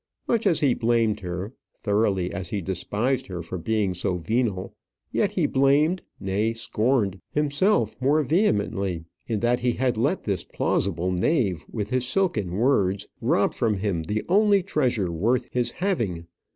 Much as he blamed her, thoroughly as he despised her for being so venal; yet he blamed, nay, scorned, himself more vehemently in that he had let this plausible knave with his silken words rob from him the only treasure worth his having.